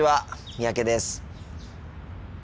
三宅です。